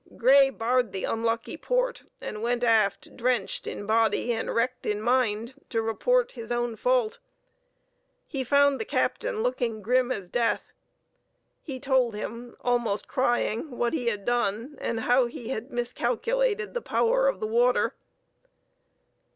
Grey barred the unlucky port, and went aft, drenched in body, and wrecked in mind, to report his own fault. He found the captain looking grim as death. He told him, almost crying, what he had done, and how he had miscalculated the power of the water.